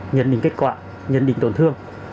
nhận định kết quả nhận định tổn thương